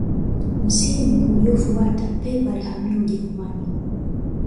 msimu uliyofuata pep alihamia ujerumani